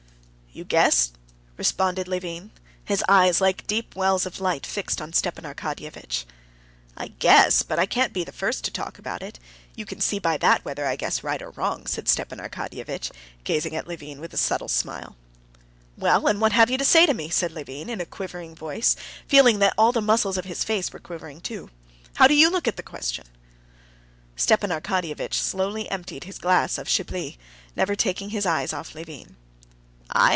"You guess?" responded Levin, his eyes like deep wells of light fixed on Stepan Arkadyevitch. "I guess, but I can't be the first to talk about it. You can see by that whether I guess right or wrong," said Stepan Arkadyevitch, gazing at Levin with a subtle smile. "Well, and what have you to say to me?" said Levin in a quivering voice, feeling that all the muscles of his face were quivering too. "How do you look at the question?" Stepan Arkadyevitch slowly emptied his glass of Chablis, never taking his eyes off Levin. "I?"